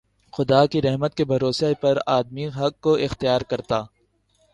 خدا کی رحمت کے بھروسے پر آدمی حق کو اختیار کرتا